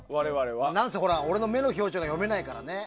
なんせ俺の目の表情が読めないからね。